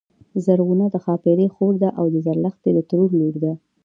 زرغونه د ښاپيرې خور ده او د زرلښتی د ترور لور ده